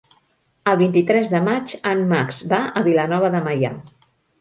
El vint-i-tres de maig en Max va a Vilanova de Meià.